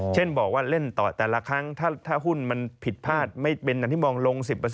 เช่นบอกว่าเล่นต่อแต่ละครั้งถ้าหุ้นมันผิดพลาดไม่เป็นอย่างที่มองลง๑๐